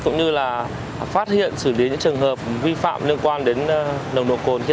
cũng như là phát hiện xử lý những trường hợp vi phạm liên quan đến nồng độ cồn